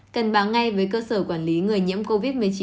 cần báo ngay với cơ sở quản lý người nhiễm covid một mươi chín